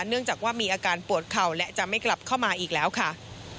เนื่องจากว่ามีอาการปวดเข่าและจะไม่กลับเข้ามาอีกแล้วค่ะ